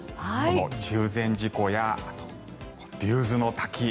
中禅寺湖やあと、竜頭ノ滝。